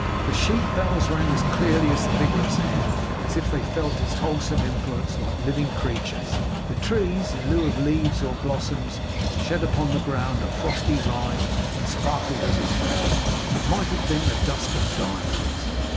The sheep bells rang as clearly in the vigorous air, as if they felt its wholesome influence like living creatures; the trees, in lieu of leaves or blossoms, shed upon the ground a frosty rime that sparkled as it fell, and might have been the dust of diamonds.